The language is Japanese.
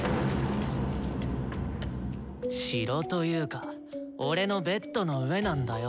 城というか俺のベッドの上なんだよ